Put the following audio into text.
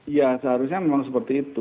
ya seharusnya memang seperti itu